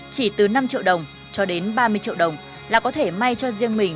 chỉ từ năm triệu đồng cho đến ba mươi triệu đồng là có thể may cho riêng mình